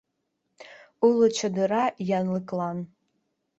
— Уло чодыра янлыклан